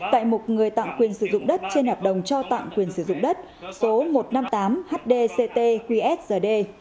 tại một người tạm quyền sử dụng đất trên hợp đồng cho tạm quyền sử dụng đất số một trăm năm mươi tám hdctqszd